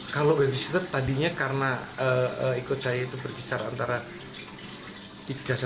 kalau babysitter tadinya karena ikut saya itu berpisah